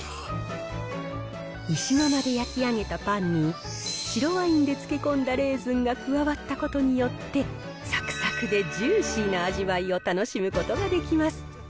石窯で焼き上げたパンに白ワインで漬け込んだレーズンが加わったことによって、さくさくでジューシーな味わいを楽しむことができます。